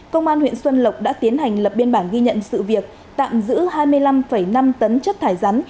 công an huyện xuân lộc đã tiến hành lập biên bản ghi nhận sự việc tạm giữ hai mươi năm năm tấn chất thải rắn